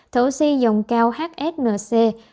thở oxy dòng cao hsnc năm trăm tám mươi tám